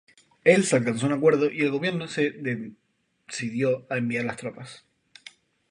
El se alcanzó un acuerdo y el gobierno se decidió a enviar las tropas.